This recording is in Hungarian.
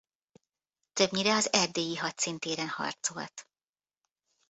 Többnyire az erdélyi hadszíntéren harcolt.